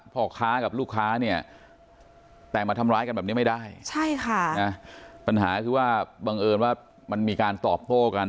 พ่อค้ากับลูกค้าเนี่ยแต่มาทำร้ายกันแบบนี้ไม่ได้ใช่ค่ะนะปัญหาคือว่าบังเอิญว่ามันมีการตอบโต้กัน